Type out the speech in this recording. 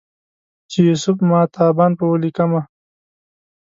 چې یوسف ماه تابان په ولیکمه